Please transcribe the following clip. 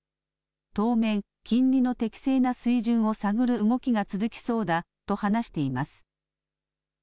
当面、金利の適正な水準を探る動きが続きそうだと話しています。